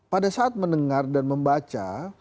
pada saat mendengar dan membaca